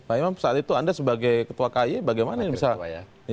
pak imam saat itu anda sebagai ketua kay bagaimana ini